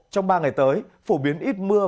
trong ba ngày tới phổ biến ít mưa